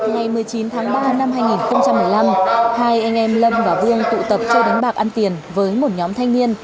ngày một mươi chín tháng ba năm hai nghìn một mươi năm hai anh em lâm và vương tụ tập chơi đánh bạc ăn tiền với một nhóm thanh niên